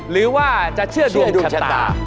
หรือว่าจะเชื่อดวงดวงชะตา